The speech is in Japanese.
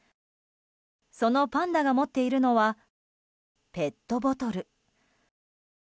そのパンダが持っているのはペットボトル。